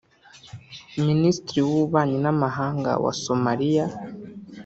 Minisitiri w’Ububanyi n’Amahanga wa Somaliya